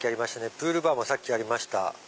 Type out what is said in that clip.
プールバーもさっきありました。